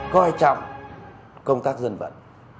coi trọng công tác dân vận